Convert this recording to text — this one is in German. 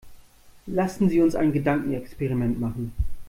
Lassen Sie uns ein Gedankenexperiment machen.